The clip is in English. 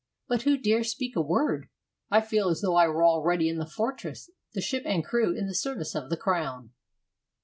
But who dare speak a word? I feel as though I were already in the fortress, the ship and crew in the service of the Crown."